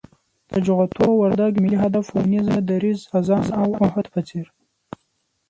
د جغتو، وردگ، ملي هدف اونيزه، دريځ، آذان او عهد په څېر